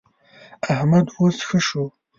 احمد اوس ښه شو.